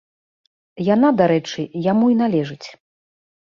Яна, дарэчы, яму і належыць.